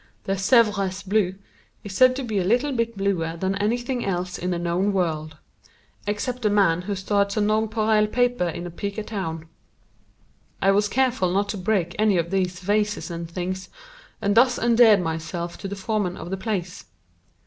The "Sèvres blue" is said to be a little bit bluer than anything else in the known world except the man who starts a nonpareil paper in a pica town. I was careful not to break any of these vases and things, and thus endeared myself to the foreman of the place.